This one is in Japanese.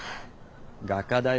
画家だよ。